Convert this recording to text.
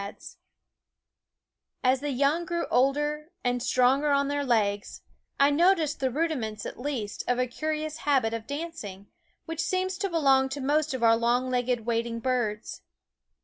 THE WOODS 9 As the young grew older, and stronger on their legs, I noticed the rudiments, at least, Q un A A */> of a curious habit of dancing, which seems ^^^Keen Eyed to belong to most of our long legged wading birds.